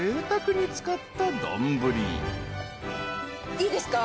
いいですか？